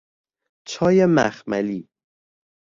چای مخملی